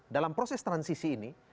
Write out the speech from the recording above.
dalam proses transisi ini